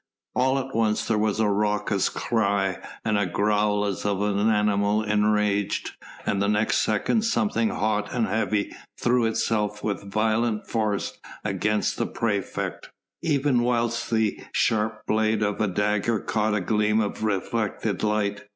All at once there was a raucous cry and a growl as of an animal enraged, and the next second something hot and heavy threw itself with violent force against the praefect, even whilst the sharp blade of a dagger caught a gleam of reflected light.